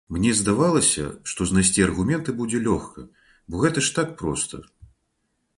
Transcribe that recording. Мне здавалася, што знайсці аргументы будзе лёгка, бо гэта ж так проста.